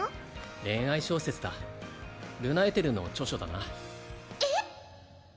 恋愛小説だルナ＝エテルの著書だなえっ！？